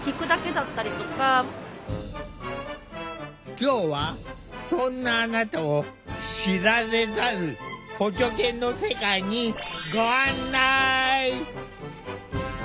今日はそんなあなたを知られざる補助犬の世界にごあんない。